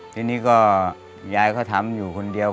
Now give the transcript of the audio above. ทีนี้ก็ยายก็ทำอยู่คนเดียว